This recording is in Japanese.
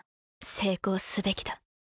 成功すべきだ。